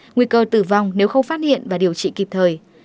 nguy cơ tử vong nếu không phát hiện và điều trị kịp thời